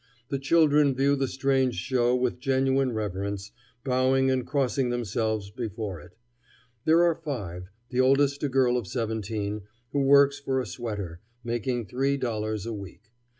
The children view the strange show with genuine reverence, bowing and crossing themselves before it. There are five, the oldest a girl of seventeen, who works for a sweater, making three dollars a week.